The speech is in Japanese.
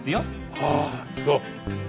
ああそう。